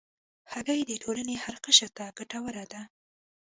هګۍ د ټولنې هر قشر ته ګټوره ده.